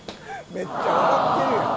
めっちゃ笑ってるやん。